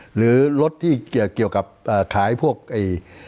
หรือรถที่เกี่ยวกับขายพวกไอ้